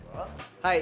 はい。